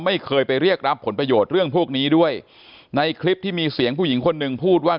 ไม่เคยไปเรียกรับผลประโยชน์เรื่องพวกนี้ด้วยในคลิปที่มีเสียงผู้หญิงคนหนึ่งพูดว่า